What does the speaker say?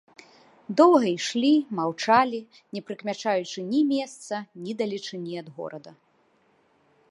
Доўга ішлі, маўчалі, не прыкмячаючы ні месца, ні далечыні ад горада.